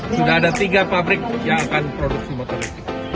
sudah ada tiga pabrik yang akan produksi motorik